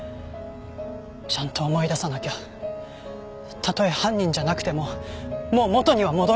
ちゃんと思い出さなきゃたとえ犯人じゃなくてももう元には戻れない！